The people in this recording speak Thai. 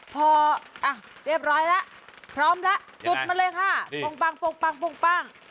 พออ่ะเรียบร้อยแล้วพร้อมแล้วจุดมาเลยค่ะปุ้งปังปุ้งปังปุ้งปัง